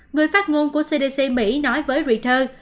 người phát ngôn của cdc mỹ nói với reuters